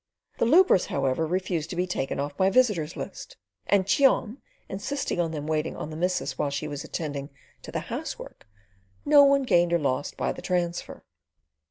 The lubras, however, refused to be taken off my visitor's list and Cheon insisting on them waiting on the missus while she was attending to the housework, no one gained or lost by the transfer.